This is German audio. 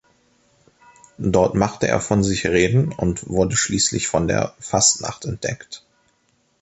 Dort machte er von sich reden und wurde schließlich von der Fastnacht entdeckt.